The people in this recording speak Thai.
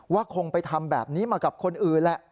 คงไปทำแบบนี้มากับคนอื่นแหละ